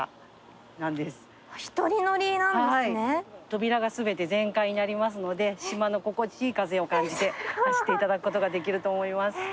扉が全て全開になりますので島の心地いい風を感じて走っていただくことができると思います。